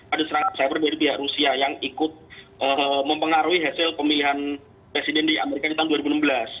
ada serangan cyber dari pihak rusia yang ikut mempengaruhi hasil pemilihan presiden di amerika di tahun dua ribu enam belas